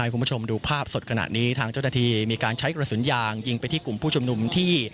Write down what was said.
คุณผู้ชมดูภาพสดขณะนี้ทางเจ้าหน้าที่มีการใช้กระสุนยางยิงไปที่กลุ่มผู้ชุมนุมที่